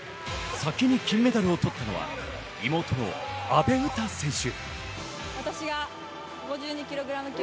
先に金メダルを取ったのは妹の阿部詩選手。